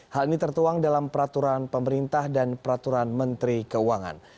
hal ini tertuang dalam peraturan pemerintah dan peraturan menteri keuangan